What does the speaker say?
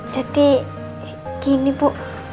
jadi gini bu